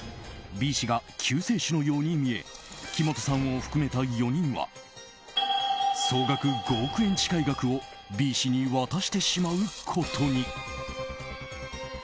Ｂ氏が救世主のように見え木本さんを含めた４人は総額５億円近い額をＢ氏に渡してしまうことに。